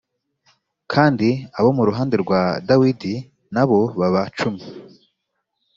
kandi abo mu ruhande rwa dawidi na bo baba cumi